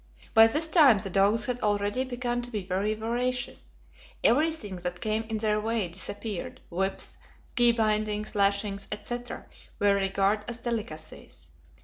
By this time the dogs had already begun to be very voracious. Everything that came in their way disappeared; whips, ski bindings, lashings, etc., were regarded as delicacies.